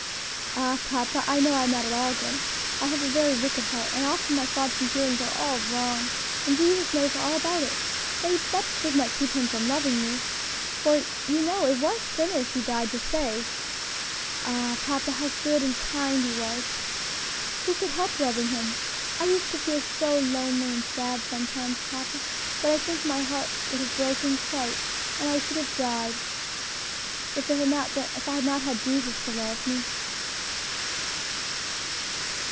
"Ah! papa, I know I am not at all good. I have a very wicked heart, and often my thoughts and feelings are all wrong, and Jesus knows all about it, but it does not keep Him from loving me, for you know it was sinners He died to save. Ah! papa, how good and kind He was! Who could help loving Him? I used to feel so lonely and sad sometimes, papa, that I think my heart would have broken quite, and I should have died, if I had not had Jesus to love me."